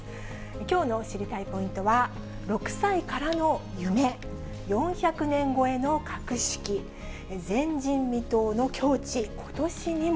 きょうの知りたいポイントは、６歳からの夢、４００年超えの格式、前人未到の境地ことしにも？